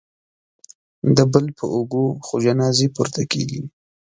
د بل په اوږو خو جنازې پورته کېږي